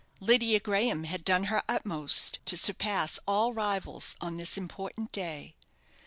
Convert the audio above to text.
Lydia Graham had done her utmost to surpass all rivals on this important day.